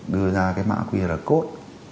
đưa ra cái mạng qr code